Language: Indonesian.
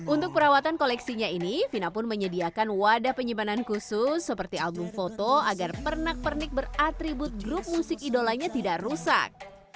untuk perawatan koleksinya ini vina pun menyediakan wadah penyimpanan khusus seperti album foto agar pernak pernik beratribut grup musik idolanya tidak rusak